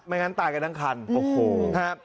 ไม่งั้นตายกันตั้งคันโอ้โฮฮะ